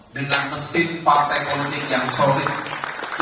dan diberi kekuatan kekuatan yang sangat baik